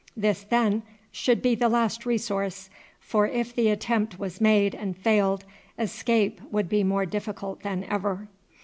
This, then, should be the last resource, for if the attempt was made and failed, escape would be more difficult than ever.